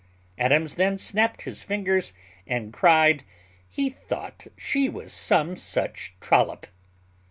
Adams then snapped his fingers, and cried, "He thought she was some such trollop."